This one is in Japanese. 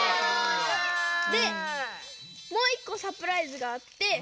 でもう１こサプライズがあって。